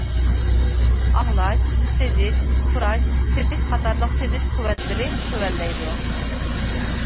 ئاڭلاش، سېزىش، پۇراش، تېتىش قاتارلىق سېزىش قۇۋۋەتلىرى تۆۋەنلەيدۇ.